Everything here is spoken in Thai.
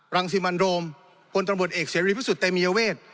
รังสิมันโรมคนตรงบทเอกเสียริฟิสุทธิ์เต็มเมียเวท